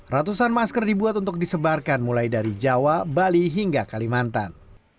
ratusan masker dibuat untuk disebarkan mulai dari jawa bali hingga kalimantan